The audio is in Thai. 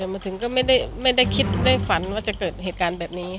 มาถึงก็ไม่ได้คิดได้ฝันว่าจะเกิดเหตุการณ์แบบนี้